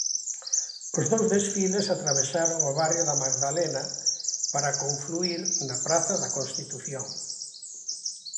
Os dous desfiles atravesaron o barrio da Magdalena para confluír na praza da Constitución.